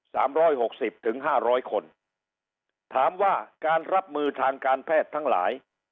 สามร้อยหกสิบถึงห้าร้อยคนถามว่าการรับมือทางการแพทย์ทั้งหลาย